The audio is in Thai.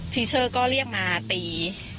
เชอร์ก็เรียกมาตี